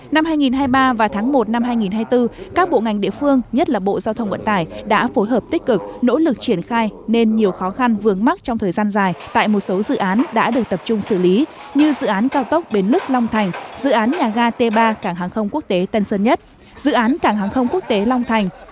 năm hai nghìn hai mươi ba và tháng một năm hai nghìn hai mươi bốn các bộ ngành địa phương nhất là bộ giao thông vận tải đã phối hợp tích cực nỗ lực triển khai nên nhiều khó khăn vướng mắt trong thời gian dài tại một số dự án đã được tập trung xử lý như dự án cao tốc bến lức long thành dự án nhà ga t ba cảng hàng không quốc tế tân sơn nhất dự án cảng hàng không quốc tế long thành